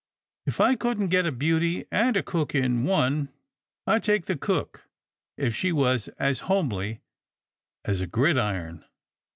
If I couldn't get a beauty and a cook in one, I'd take the cook, if she was as homely as a gridiron."